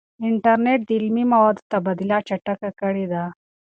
انټرنیټ د علمي موادو تبادله چټکه کړې ده.